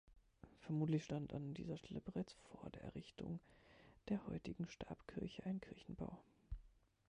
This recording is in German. Vermutlich stand an dieser Stelle bereits vor der Errichtung der heutigen Stabkirche ein Kirchenbau.